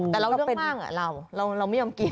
แต่เราเรื่องมากเราไม่ยอมกิน